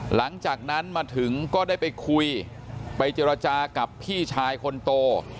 หลังจากนั้นมาถึงก็ได้ไปคุยไปเจรจากับพี่ชายคนโต